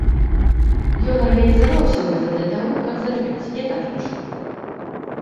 Ён арганізаваў усё гэта для таго, каб зарабіць, я так лічу.